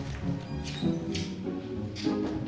itu mau dibawa ke mana